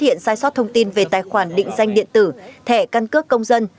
thì cần sai sót thông tin về tài khoản định danh điện tử thẻ căn cước công dân